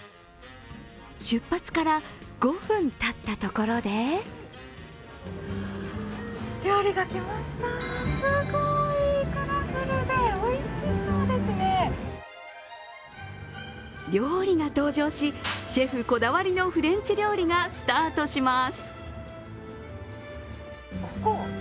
出発から５分たったところで料理が登場し、シェフこだわりのフレンチ料理がスタートします。